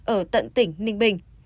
ở tận tỉnh ninh bình